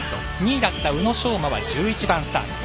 ２位だった宇野昌磨は１１番スタート。